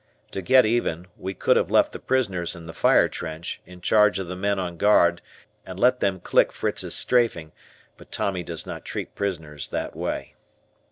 To get even, we could have left the prisoners in the fire trench, in charge of the men on guard and let them click Fritz's strafeing but Tommy does not treat prisoners that way.